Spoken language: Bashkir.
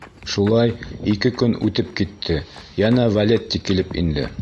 Шулай ике көн үтеп китте, йәнә Валетти килеп инде.